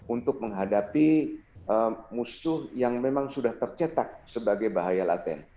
untuk menghadapi musuh yang memang sudah tercetak sebagai bahaya laten